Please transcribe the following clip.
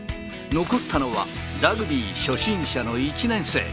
残ったのはラグビー初心者の１年生。